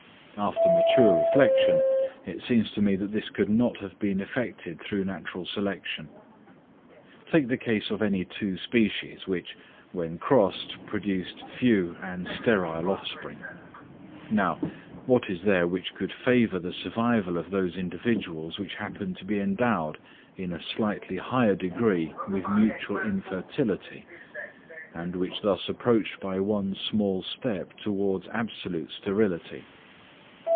After mature reflection, it seems to me that this could not have been effected through natural selection. Take the case of any two species which, when crossed, produced few and sterile offspring; now, what is there which could favour the survival of those individuals which happened to be endowed in a slightly higher degree with mutual infertility, and which thus approached by one small step towards absolute sterility?